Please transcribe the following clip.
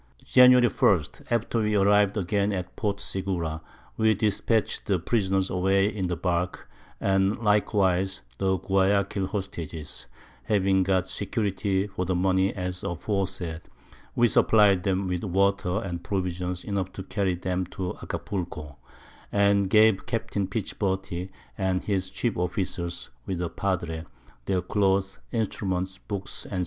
[Sidenote: At Anchor in Port Segura on California.] Jan. 1. After we arriv'd again at Port Segura, we dispatch'd the Prisoners away in the Bark, and likewise the Guiaquil Hostages: having got Security for the Money as aforesaid, we supplied them with Water and Provisions enough to carry 'em to Acapulco; and gave Capt. Pichberty and his chief Officers, with a Padre, their Clothes, Instruments, Books, _&c.